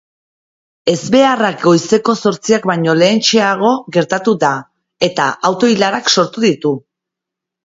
Ezbeharra goizeko zortziak baino lehentxeago gertatu da, eta auto-ilarak sortu ditu.